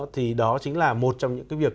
thì đó chính là một trong những việc